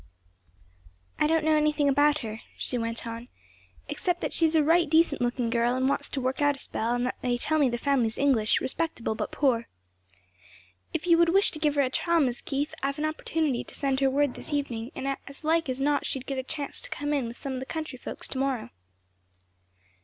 "I don't know anything about her," she went on, "except, that she's a right decent looking girl and wants to work out a spell; and that they tell me the family's English; respectable but poor. "If you would wish to give her a trial; Mis' Keith, I've an opportunity to send her word this evening and as like as not she'd get a chance to come in with some of the country folks to morrow."